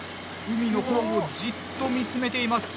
海の方をじっと見つめています。